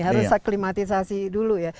harus klimatisasi dulu ya